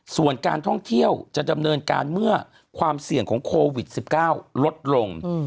ส่วนการท่องเที่ยวจะดำเนินการเมื่อความเสี่ยงของโควิด๑๙ลดลง